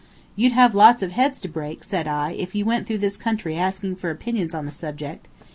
"You'd have a lot of heads to break," said I, "if you went through this country asking for opinions on the subject.